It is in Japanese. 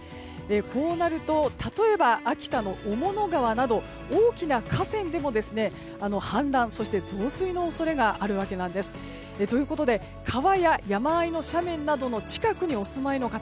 こうなると例えば、秋田の雄物川など大きな河川でも氾濫、増水の恐れがあるわけなんです。ということで、川や山あいの斜面の近くにお住まいの方。